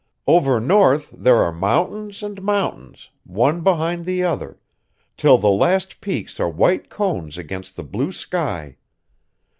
Over north there are mountains and mountains, one behind the other, till the last peaks are white cones against the blue sky.